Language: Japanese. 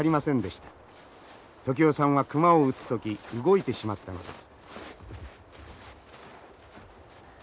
時男さんは熊を撃つ時動いてしまったのです。